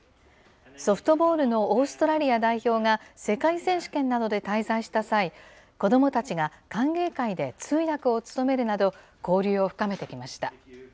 ソフトボールのオーストラリア代表が、世界選手権などで滞在した際、子どもたちが歓迎会で通訳を務めるなど、交流を深めてきました。